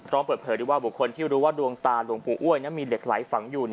พร้อมเปิดเผยด้วยว่าบุคคลที่รู้ว่าดวงตาหลวงปู่อ้วยนั้นมีเหล็กไหลฝังอยู่